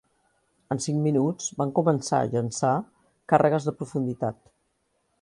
En cinc minuts van començar llençar càrregues de profunditat.